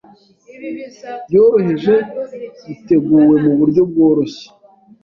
yoroheje, iteguwe mu buryo bworoshye.